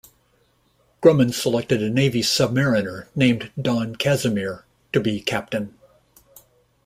Grumman selected a Navy submariner named Don Kazimir to be captain.